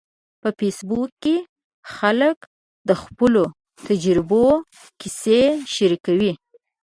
په فېسبوک کې خلک د خپلو تجربو کیسې شریکوي.